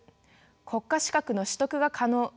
国家資格の取得が可能。